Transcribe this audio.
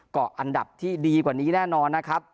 เกาะอันดับที่ดีกว่านี้แน่นอนนะครับ